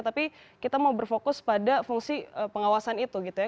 tapi kita mau berfokus pada fungsi pengawasan itu gitu ya